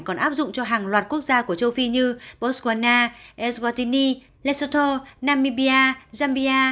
còn áp dụng cho hàng loạt quốc gia của châu phi như botswana eswatini lesotho namibia zambia